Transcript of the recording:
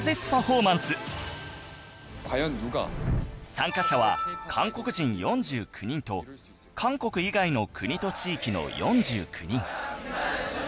参加者は韓国人４９人と韓国以外の国と地域の４９人